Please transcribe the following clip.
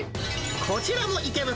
こちらも池袋。